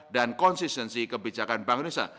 dan konsistensi kebijakan bank indonesia